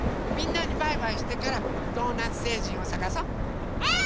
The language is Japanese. みんなにバイバイしてからドーナツせいじんをさがそう。